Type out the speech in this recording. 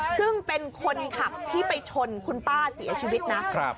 ซึ่งเป็นคนขับที่ไปชนคุณป้าเสียชีวิตนะ